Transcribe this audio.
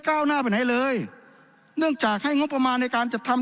ก้าวหน้าไปไหนเลยเนื่องจากให้งบประมาณในการจัดทำ